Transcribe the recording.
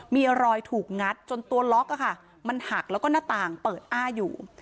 มีรอยถูกงัดจนตัวล็อกมันหักแล้วก็หน้าต่างเปิดอ้าอยู่